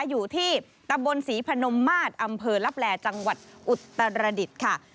อยู่ที่ตำบลศรีพนมมาตรอำเภอลับแลจังหวัดอุตรดิษฐ์ค่ะ